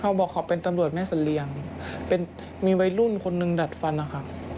เขาบอกเขาเป็นตำรวจแม่เสรียงเป็นมีวัยรุ่นคนหนึ่งดัดฟันนะคะ